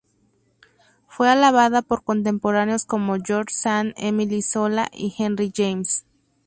Fue alabada por contemporáneos como George Sand, Émile Zola y Henry James.